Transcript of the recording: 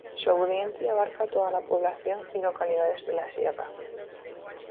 Su audiencia abarca toda la población y localidades de la sierra.